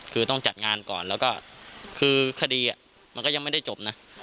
คือต้องจัดงานก่อนแล้วก็คือคดีมันก็ยังไม่ได้จบนะ